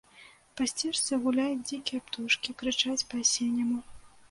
Па сцежцы гуляюць дзікія птушкі, крычаць па-асенняму.